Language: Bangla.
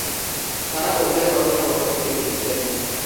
তাঁরা উভয়ে কতোই না উত্তম প্রতিবেশী ছিলেন!